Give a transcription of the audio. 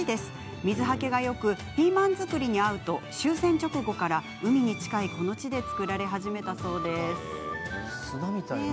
水はけがよくピーマン作りに合うと終戦直後から海に近いこの地で作られ始めたそうです。